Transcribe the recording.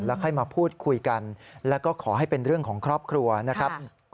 ค่อยมาพูดคุยกันแล้วก็ขอให้เป็นเรื่องของครอบครัวนะครับ